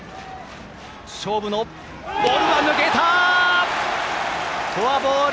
ボールが抜けたフォアボール！